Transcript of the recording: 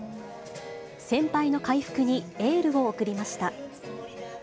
先輩の回復にエールを送りました。